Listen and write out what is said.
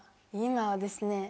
今はですね。